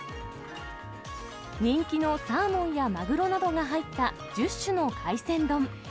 人気のサーモンやマグロなどが入った１０種の海鮮丼。